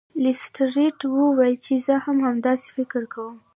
لیسټرډ وویل چې زه هم همداسې فکر کوم.